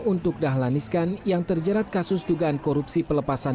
untuk dahlan iskan yang terjerat kasus dugaan korupsi pelepasan